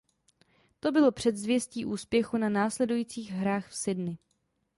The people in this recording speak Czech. To bylo předzvěstí úspěchu na následujících hrách v Sydney.